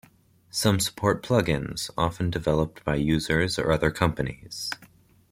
Some support plug-ins, often developed by users or other companies.